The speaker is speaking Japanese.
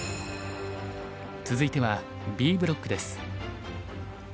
続いてはＢブロックです。